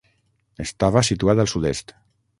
Estava situat al sud-est.